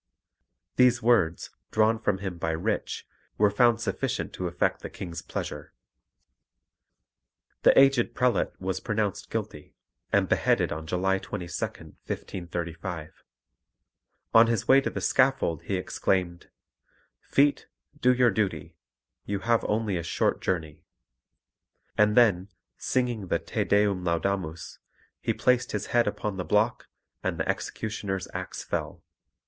These words, drawn from him by Rich, were found sufficient to effect the King's pleasure. The aged prelate was pronounced guilty, and beheaded on July 22nd, 1535. On his way to the scaffold he exclaimed, "Feet, do your duty; you have only a short journey," and then, singing the Te Deum laudamus, he placed his head upon the block, and the executioner's axe fell.